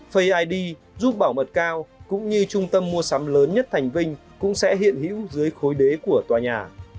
face id giúp bảo mật cao cũng như trung tâm mua sắm lớn nhất thành vinh cũng sẽ hiện hữu dưới khối đế của tòa nhà